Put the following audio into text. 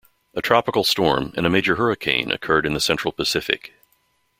A tropical storm and a major hurricane occurred in the Central Pacific.